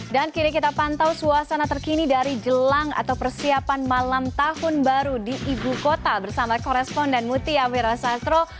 dan kini kita pantau suasana terkini dari jelang atau persiapan malam tahun baru di ibu kota bersama koresponden mutia wira sastro